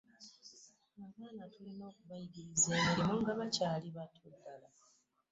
Abaana tulina okubayigiriza emirimu nga bakyali bato ddala.